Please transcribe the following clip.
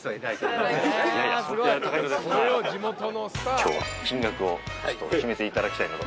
今日は金額を決めていただきたいと。